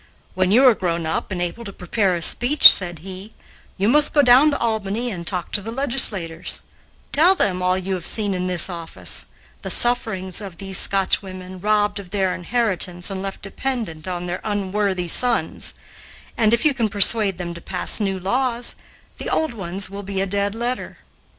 "When you are grown up, and able to prepare a speech," said he, "you must go down to Albany and talk to the legislators; tell them all you have seen in this office the sufferings of these Scotchwomen, robbed of their inheritance and left dependent on their unworthy sons, and, if you can persuade them to pass new laws, the old ones will be a dead letter."